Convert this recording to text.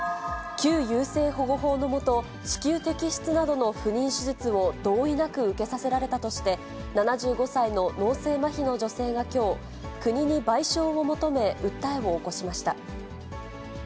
旧優生保護法の下、子宮摘出などの不妊手術を同意なく受けさせられたとして、７５歳の脳性まひの女性がきょう、国に賠償を求め、訴えを起こしました。